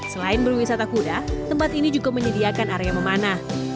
selain berwisata kuda tempat ini juga menyediakan area memanah